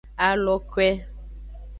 Alokwe.